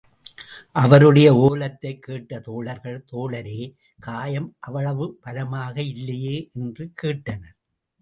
அவருடைய ஒலத்தைக் கேட்ட தோழர்கள், தோழரே, காயம் அவ்வளவு பலமாக இல்லையே? என்று கேட்டனர்.